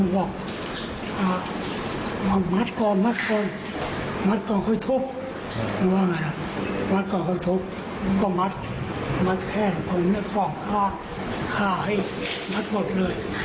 ผมต้องฝ่องค่าให้มัดหมดเลย